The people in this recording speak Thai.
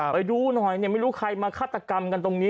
ไปดูหน่อยไม่รู้ใครมาฆาตกรรมกันตรงนี้